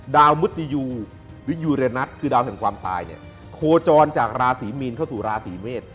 มุติยูหรือยูเรนัทคือดาวแห่งความตายเนี่ยโคจรจากราศีมีนเข้าสู่ราศีเมษ